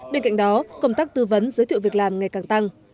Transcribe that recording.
bên cạnh đó công tác tư vấn giới thiệu việc làm ngày càng tăng